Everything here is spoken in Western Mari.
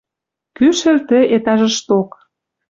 Кӱшӹл тӹ этажышток.